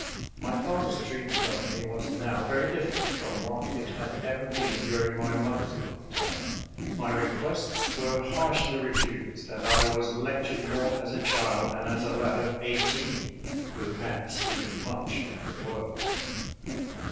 My father's treatment of me was now very different from what it had ever been during my mother's lifetime. My requests were harshly refused, and I was lectured more as a child than as a lad of eighteen, who had seen much of the world.